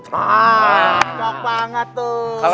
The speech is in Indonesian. wah sok banget tuh